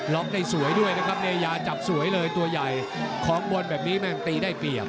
็อกได้สวยด้วยนะครับเนยาจับสวยเลยตัวใหญ่ของบนแบบนี้แม่งตีได้เปรียบ